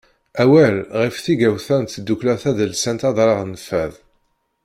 Awal ɣef tigawt-a n tdukkla tadelsant Adrar n Fad.